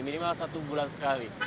minimal satu bulan sekali